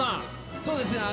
そうですね。